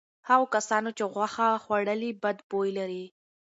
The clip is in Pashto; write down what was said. هغو کسانو چې غوښه خوړلې بد بوی لري.